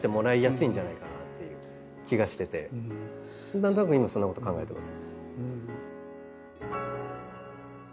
何となく今そんなことを考えてます。